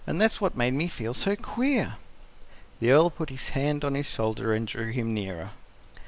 That was what made me feel so queer." The Earl put his hand on his shoulder and drew him nearer.